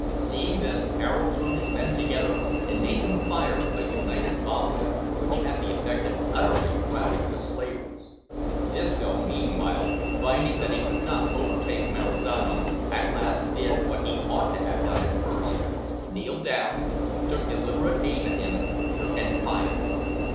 Seeing this, Harold drew his men together and made them fire a united volley, which had the effect of utterly routing the slavers. Disco meanwhile, finding that he could not overtake Marizano, at last did what he ought to have done at first kneeled down, took deliberate aim at him, and fired.